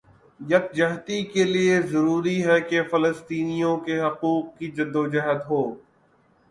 یکجہتی کےلئے ضروری ہے کہ فلسطینیوں کے حقوق کی جدوجہد کو